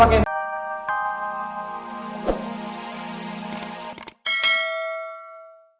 gak usah pakein